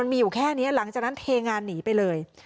มีอยู่แค่นี้หลังจากนั้นเทงานหนีไปเลย